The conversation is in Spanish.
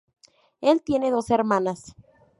El tiene dos hermanas.